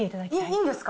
いいんですか？